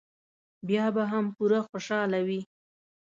بیا به هم پوره خوشاله وي.